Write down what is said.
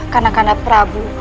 karena kanda prabu